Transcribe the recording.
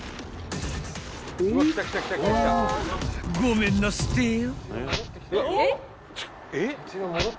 ［ごめんなすってよ］